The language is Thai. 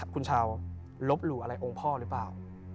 คุณชาวลบหลู่อะไรองค์พ่อหรือเปล่า